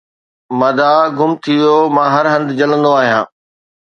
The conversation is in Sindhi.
مدعا گم ٿي ويو 'مان هر هنڌ جلندو آهيان